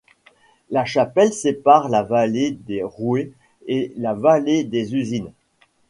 La chapelle sépare la vallée des rouets et la vallée des usines.